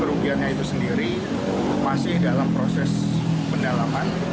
kerugiannya itu sendiri masih dalam proses pendalaman